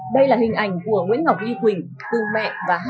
đây là hình ảnh của nguyễn ngọc y quỳnh